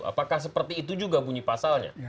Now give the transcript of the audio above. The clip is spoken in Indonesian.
apakah seperti itu juga bunyi pasalnya